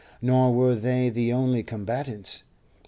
Nor were they the only combatants.